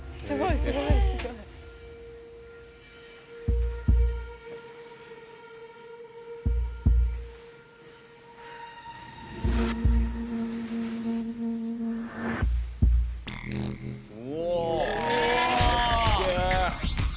すごい。お！